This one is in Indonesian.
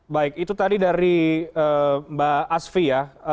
baik itu tadi dari mbak asfi ya